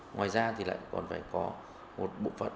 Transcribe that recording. ngoài ra thì lại còn phải có một bộ phận